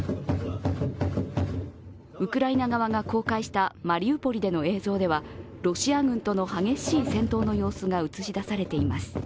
ウクライナ側が公開したマリウポリでの映像ではロシア軍との激しい戦闘の様子が映し出されています。